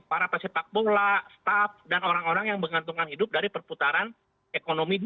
para pesepak bola staff dan orang orang yang mengantungkan hidup dari perputaran ekonomi dunia